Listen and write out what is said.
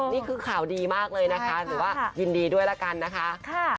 นี่คือข่าวดีมากเลยนะคะหรือว่ายินดีด้วยละกันนะคะ